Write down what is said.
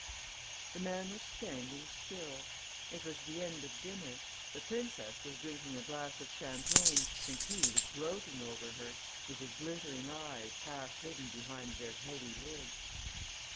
The man was standing still. It was the end of dinner. The princess was drinking a glass of champagne and he was gloating over her with his glittering eyes half hidden behind their heavy lids.